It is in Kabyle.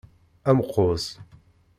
Amkuẓ.